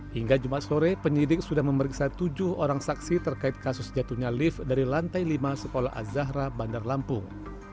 hingga jumat sore penyidik sudah memeriksa tujuh orang saksi terkait kasus jatuhnya lift dari lantai lima sekolah azahra bandar lampung